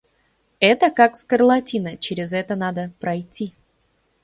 Это как скарлатина, чрез это надо пройти.